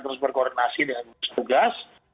terus berkoordinasi dengan petugas